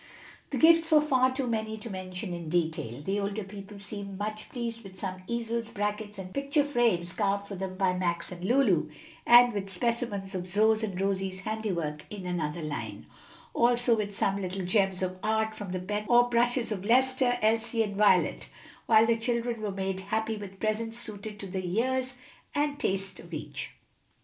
The gifts were far too many to mention in detail. The older people seemed much pleased with some easels, brackets, and picture frames carved for them by Max and Lulu, and with specimens of Zoe's and Rosie's handiwork in another line; also with some little gems of art from the pencils or brushes of Lester, Elsie, and Violet, while the children were made happy with presents suited to the years and taste of each.